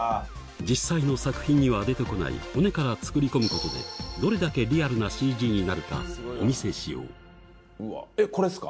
実際の作品には出てこない骨から作り込むことでどれだけリアルなＣＧになるかお見せしようえっこれですか？